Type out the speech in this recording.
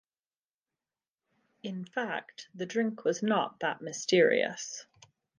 In fact the drink was not that mysterious.